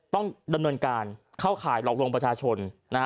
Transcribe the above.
ต้องดำเนินการเข้าข่ายหลอกลวงประชาชน